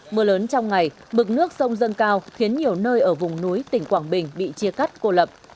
mưa lớn trong ngày mực nước sông dâng cao khiến nhiều nơi ở vùng núi tỉnh quảng bình bị chia cắt cô lập